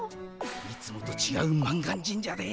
いつもとちがう満願神社で。